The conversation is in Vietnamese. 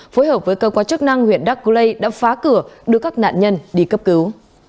phối hợp với cơ quan chức năng huyện đắc lây đã phá cửa đưa các nạn nhân đi cấp cứu